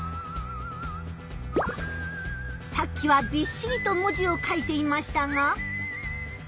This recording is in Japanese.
さっきはびっしりと文字を書いていましたが。